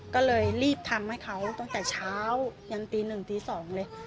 ก็เลยรีบทำให้เขาตั้งแต่เช้ายันตี๑ตี๒เลย